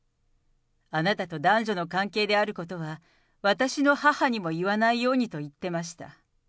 あなたと男女の関係であることは、私の母にも言わないようにと言ってました。